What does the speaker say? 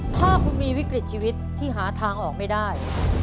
ถ้าคุณมีวิกฤตชีวิตที่หาทางออกไม่ได้